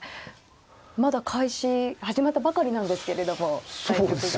まだ開始始まったばかりなんですけれども対局が。